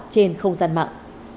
trên không gian mạng